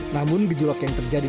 namun gejolak yang terjadi